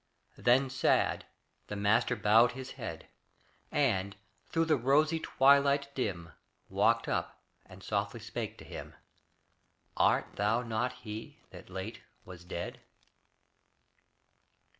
Then sad, the Master bowed His head, And, through the rosy twilight, dim, Walked up and softly spake to him: "Art thou not he that late was dead?"